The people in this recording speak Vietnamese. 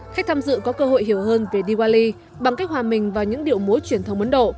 khách tham dự có cơ hội hiểu hơn về diwali bằng cách hòa mình vào những điệu múa truyền thống ấn độ